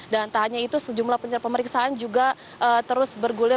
dan entah hanya itu sejumlah penerima pemeriksaan juga terus bergulir